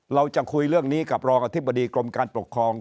เราจะคุยเรื่องนี้กับรองอธิบดีกรมการปกครอง